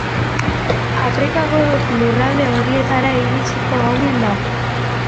Afrikako lurralde horietara iritsiko omen da.